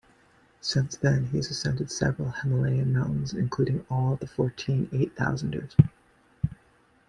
Since then he ascended several Himalayan mountains including all the fourteen eight-thousanders.